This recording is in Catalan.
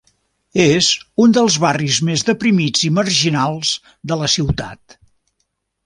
És un dels barris més deprimits i marginals de la ciutat.